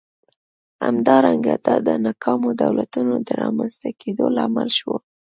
همدارنګه دا د ناکامو دولتونو د رامنځته کېدو لامل شول.